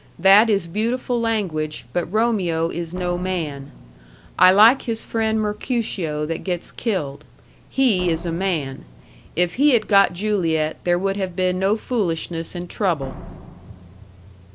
That is beautiful language but Romeo is no man. I like his friend Mercutio that gets killed. He is a man. If he had got Juliet there would have been no foolishness and trouble.